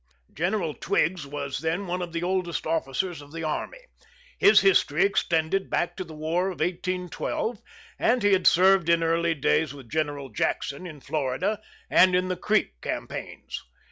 General Twiggs was then one of the oldest officers of the army. His history extended back to the War of 1812, and he had served in early days with General Jackson in Florida and in the Creek campaigns.